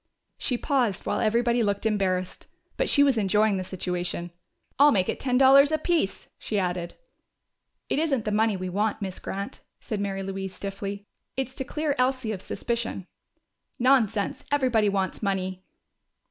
She paused, while everybody looked embarrassed. But she was enjoying the situation. "I'll make it ten dollars apiece!" she added. "It isn't the money we want, Miss Grant," said Mary Louise stiffly. "It's to clear Elsie of suspicion." "Nonsense! Everybody wants money!"